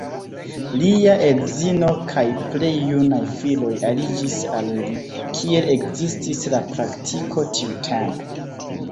Lia edzino kaj plej junaj filoj aliĝis al li, kiel ekzistis la praktiko tiutempe.